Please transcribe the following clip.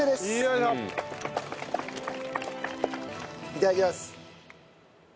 いただきます。